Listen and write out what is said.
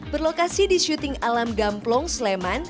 berlokasi di syuting alam gamplong sleman